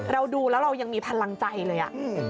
เราดูแล้วเรายังมีพลังใจเลย